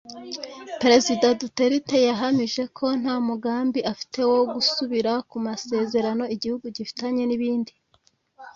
Perezida Duterte yahamije ko nta mugambi afite wo gusubira ku masezerano igihugu gifitanye n’ibindi